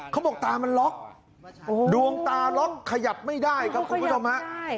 ตามันล็อกดวงตาล็อกขยับไม่ได้ครับคุณผู้ชมฮะ